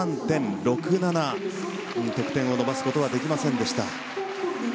得点を伸ばすことはできませんでした。